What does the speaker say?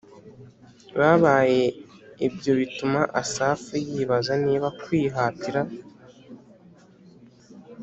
babaye Ibyo bituma Asafu yibaza niba kwihatira